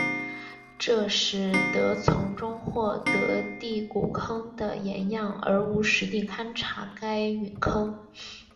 这使得能从其中获得第谷坑的岩样而无需实地勘查该陨坑。